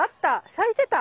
咲いてた。